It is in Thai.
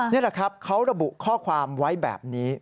นี่แหละครับเขาระบุข้อความไว้แบบนี้